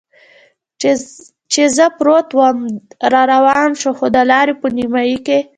چې زه پروت ووم را روان شو، خو د لارې په نیمایي کې.